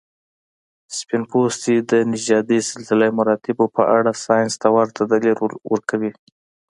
سپین پوستي د نژادي سلسله مراتبو په اړه ساینس ته ورته دلیل ورکوي.